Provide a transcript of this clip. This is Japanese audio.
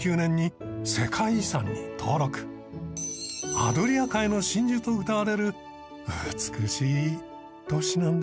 アドリア海の真珠とうたわれる美しい都市なんですよ。